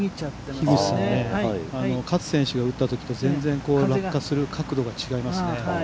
樋口さん、勝選手が打ったときと落下する角度が違いますね。